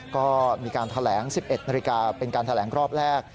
ก็มีการแถลง๑๑นาฬิกาเป็นการแถลงรอบแรก